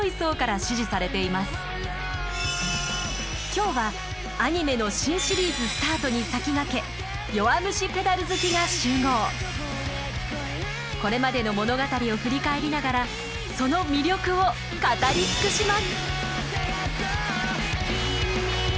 今日はアニメの新シリーズスタートに先駆けこれまでの物語を振り返りながらその魅力を語り尽くします！